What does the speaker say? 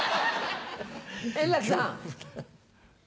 円楽さん。